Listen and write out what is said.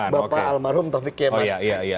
bapak almarhum taufik kemas